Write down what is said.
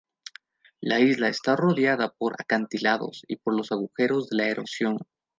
La isla está rodeada por acantilados y por los agujeros de la erosión.